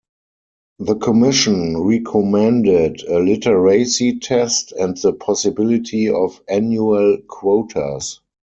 The Commission recommended a literacy test and the possibility of annual quotas.